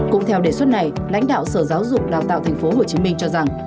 cũng theo đề xuất này lãnh đạo sở giáo dục đào tạo tp hcm cho rằng